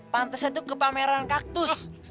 pantesnya tuh kepameran kaktus